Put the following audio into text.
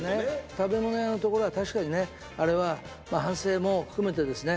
食べ物屋のところは確かにねあれは反省も含めてですね